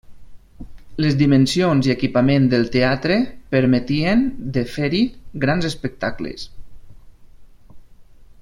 Les dimensions i equipament del teatre permetien de fer-hi grans espectacles.